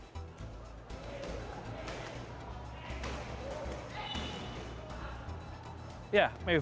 tapi sebenarnya dinamikanya itu seperti apa sih di sana edo